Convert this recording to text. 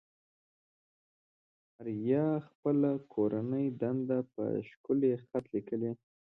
آريا خپله کورنۍ دنده په ښکلي خط ليكي.